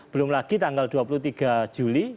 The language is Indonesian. belum lagi tanggal dua puluh tiga juli